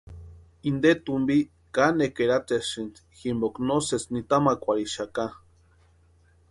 Inte tumpi kanekwa eratsesïnti jimpoka no sesí nitamakwarhixaka.